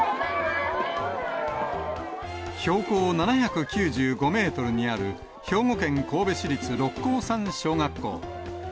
標高７９５メートルにある兵庫県神戸市立六甲山小学校。